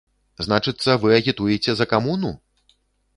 Значыцца, вы агітуеце за камуну?